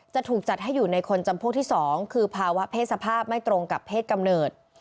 จะถูกจัดให้อยู่ในคนจำพวกที่๒คือภาวะเพศสภาพไม่ตรงกับเพศกำเนิด